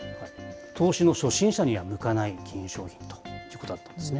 投資の初心者には向かない金融商品ということだったんですね。